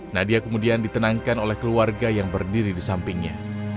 nadia kemudian ditenangkan oleh keluarga yang berdiri di sampingnya